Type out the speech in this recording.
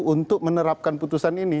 untuk menerapkan putusan ini